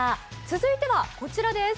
続いては、こちらです。